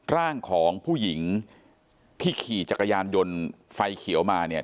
ร่างของผู้หญิงที่ขี่จักรยานยนต์ไฟเขียวมาเนี่ย